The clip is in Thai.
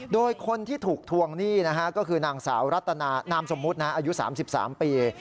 โดยคนที่ถูกทวงหนี้นะฮะก็คือนางสาวรัตนานามสมมุติอายุ๓๓ปี